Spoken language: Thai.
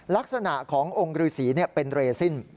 ลักษณะขององค์ฤษีเป็นเรซิน